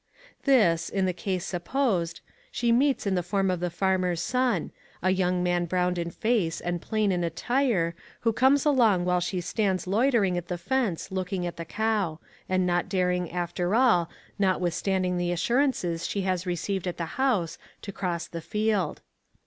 ] This, in the case supposed, she meets in the form of the farmer's son, a young man browned in face and plain in attire, who comes along while she stands loitering at the fence looking at the cow, and not daring after all, notwithstanding the assurances she has received at the house, to cross the field.